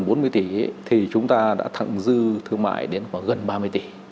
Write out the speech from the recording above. nhưng mà cái điều có giá trị hơn nữa là trong gần bốn mươi tỷ thì chúng ta đã thẳng dư thương mại đến gồm gần ba mươi tỷ